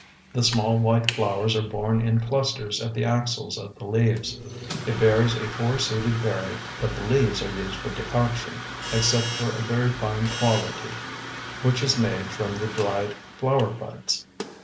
The small white flowers are borne in clusters at the axils of the leaves. It bears a four seeded berry, but the leaves are used for decoction, except for a very fine quality, which is made from the dried flower buds.